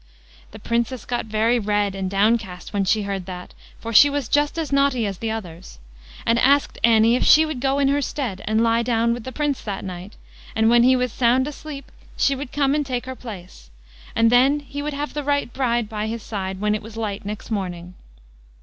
The Princess got very red and downcast when she heard that, for she was just as naughty as the others, and asked Annie if she would go in her stead and lie down with the Prince that night; and when he was sound asleep, she would come and take her place, and then he would have the right bride by his side when it was light next morning.